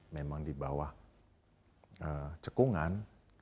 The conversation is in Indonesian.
memang di bawah cekungan